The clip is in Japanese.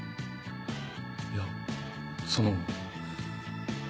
いやその。